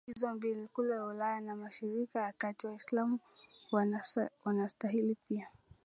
ya dini hizo mbili kule Ulaya na Mashariki ya Kati Waislamu wanastahili pia